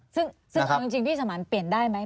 ซึ่งเอาจริงพี่สมันเปลี่ยนได้ไหม